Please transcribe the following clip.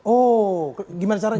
oh gimana caranya